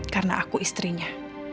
karena aku istrinya